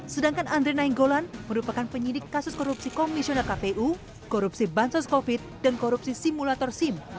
sedangkan andre nainggolan merupakan penyidik kasus korupsi komisioner kpu korupsi bansos covid dan korupsi simulator sim